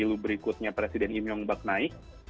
lalu berikutnya presiden im yongbak naik